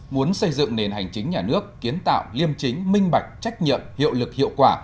muốn xây dựng nền hành chính nhà nước kiến tạo liêm chính minh bạch trách nhiệm hiệu lực hiệu quả